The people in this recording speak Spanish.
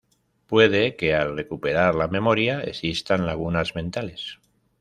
Puede que al recuperar la memoria existan lagunas mentales.